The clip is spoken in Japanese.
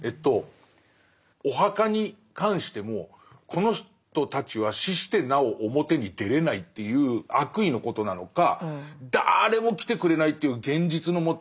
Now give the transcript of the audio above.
お墓に関してもこの人たちは死してなお表に出れないっていう悪意のことなのか誰も来てくれないという現実のもと